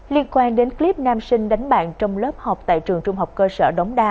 liên quan đến clip nam sinh đánh bạn trong lớp học tại trường trung học cơ sở đống đa